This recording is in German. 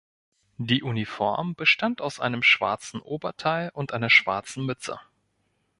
Die Uniform bestand aus einem schwarzen Oberteil und einer schwarzen Mütze.